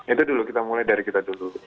itu dulu kita mulai dari kita dulu